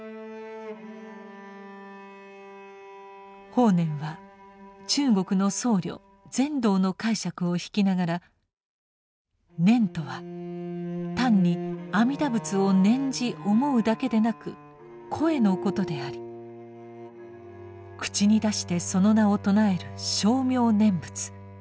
法然は中国の僧侶善導の解釈を引きながら「念」とは単に阿弥陀仏を念じ思うだけでなく「声」のことであり口に出してその名を称える「称名念仏」。